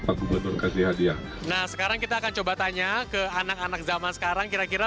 pak gubernur kasih hadiah nah sekarang kita akan coba tanya ke anak anak zaman sekarang kira kira